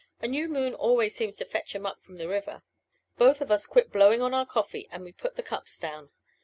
A new moon always seems to fetch 'em up from the river." Both of us quit blowing on our coffee and we put the cups down.